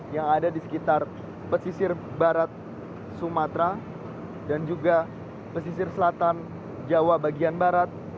yang ada di sekitar pesisir barat sumatera dan juga pesisir selatan jawa bagian barat